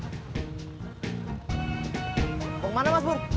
bapak mau kemana mas pur